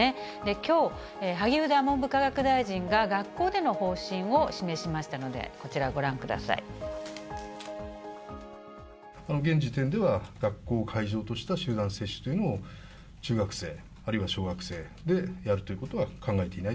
きょう、萩生田文部科学大臣が学校での方針を示しましたので、こちらご覧現時点では、学校を会場とした集団接種というのを、中学生、あるいは小学生でやるということは考えていない。